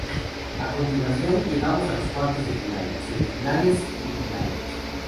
A continuación llegan los cuartos de final, semifinales y final.